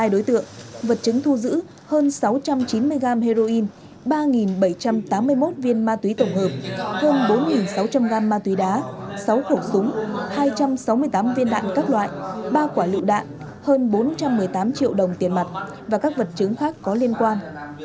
hai mươi đối tượng vật chứng thu giữ hơn sáu trăm chín mươi gram heroin ba bảy trăm tám mươi một viên ma túy tổng hợp hơn bốn sáu trăm linh gram ma túy đá sáu khẩu súng hai trăm sáu mươi tám viên đạn các loại ba quả lựu đạn hơn bốn trăm một mươi tám triệu đồng tiền mặt và các vật chứng khác có liên quan